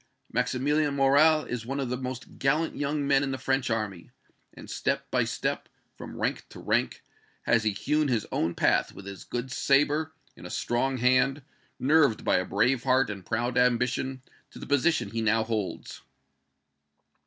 Maximilian Morrel is one of the most gallant young men in the French army, and step by step, from rank to rank, has he hewn his own path with his good sabre, in a strong hand, nerved by a brave heart and proud ambition, to the position he now holds."